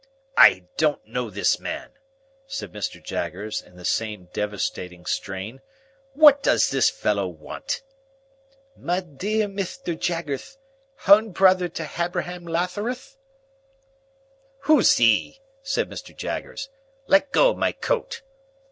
"I don't know this man!" said Mr. Jaggers, in the same devastating strain: "What does this fellow want?" "Ma thear Mithter Jaggerth. Hown brother to Habraham Latharuth?" "Who's he?" said Mr. Jaggers. "Let go of my coat."